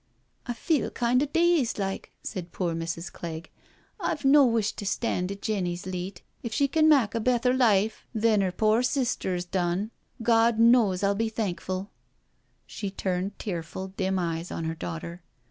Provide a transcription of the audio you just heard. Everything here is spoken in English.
*'" I feel kind o' dazed like/' said poor Mrs, Clegg. " I've no wish to stand i' Jenny's leet, if she can mak" a bether life than 'er pore sister's done — Gawd knows I'll be thankful I" She turned tearful, dim eyes on her daughter.